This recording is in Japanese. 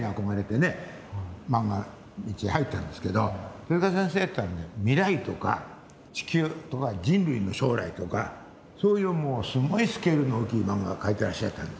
手先生っていうのはね未来とか地球とか人類の将来とかそういうすごいスケールの大きい漫画描いてらっしゃったんです。